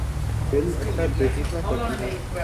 Film اچھا business نہ کرتی ہو۔